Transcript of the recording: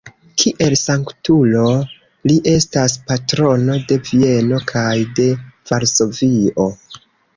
Kiel sanktulo li estas patrono de Vieno kaj de Varsovio.